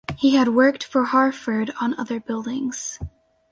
He had worked for Harford on other buildings.